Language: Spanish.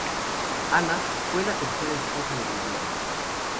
Ana, fue la tercera esposa de Guillermo.